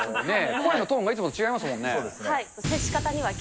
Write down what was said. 声のトーンがいつもと違いまはい。